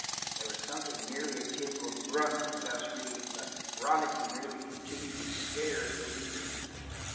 There was something nearly akin to a grunt from Gus Reeve, but Ronicky merely continued to stare at the leader.